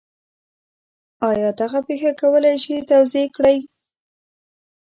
آیا دغه پېښه کولی شئ توضیح کړئ؟